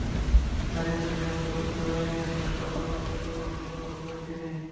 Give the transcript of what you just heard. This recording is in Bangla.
নারীর প্রতি সহিংসতা প্রতিরোধে আইনের খসড়া প্রণয়নে গুরুত্বপূর্ণ ভূমিকা পালন করেন তিনি।